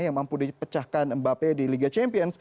yang mampu dipecahkan mbappe di liga champions